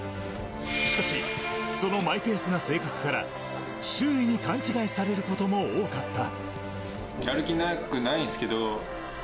しかしそのマイペースな性格から周囲に勘違いされることも多かった。